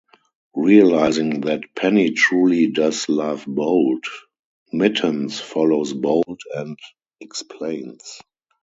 Realizing that Penny truly does love Bolt, Mittens follows Bolt and explains.